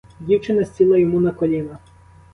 Дівчина сіла йому на коліна.